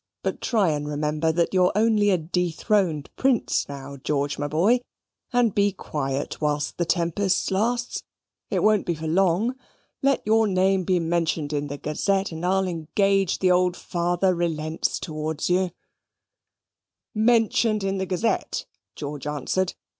But try and remember that you are only a dethroned prince now, George, my boy; and be quiet whilst the tempest lasts. It won't be for long. Let your name be mentioned in the Gazette, and I'll engage the old father relents towards you:" "Mentioned in the Gazette!" George answered.